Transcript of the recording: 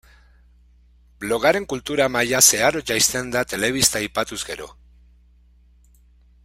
Blogaren kultura maila zeharo jaisten da telebista aipatuz gero.